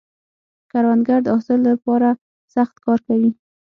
کروندګر د حاصل له پاره سخت کار کوي